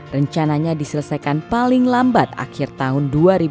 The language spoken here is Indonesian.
rencananya diselesaikan paling lambat akhir tahun dua ribu dua puluh